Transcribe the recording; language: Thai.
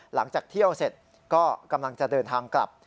หลังจากเที่ยวเสร็จก็กำลังจะเดินทางกลับ